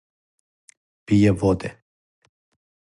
Пије воде.